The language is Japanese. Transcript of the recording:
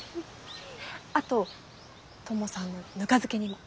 あとトモさんのぬか漬けにも。